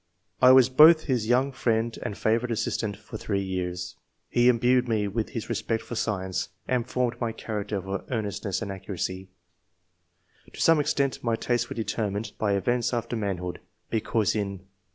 I was both his young friend and favourite assistant for three years. He imbued me with his respect for science, and formed my character for earnestness and accuracy To some extent, my tastes were determined by events after manhood ; because in